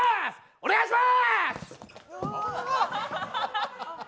お願いします！